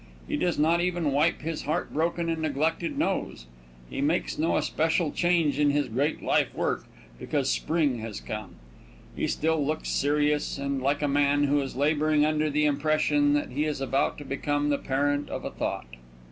He does not even wipe his heartbroken and neglected nose. He makes no especial change in his great life work because spring has come. He still looks serious, and like a man who is laboring under the impression that he is about to become the parent of a thought.